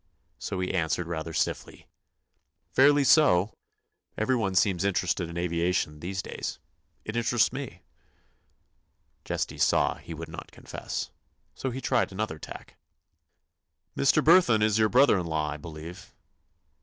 So he answered rather stiffly: "Fairly so. Everyone seems interested in aviation these days. It interests me." Chesty saw he would not confess; so he tried another tack. "Mr. Burthon is your brother in law, I believe."